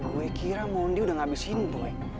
gue kira mondi udah gak habis hidup